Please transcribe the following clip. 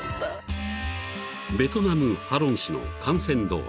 ［ベトナムハロン市の幹線道路］